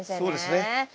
そうですね。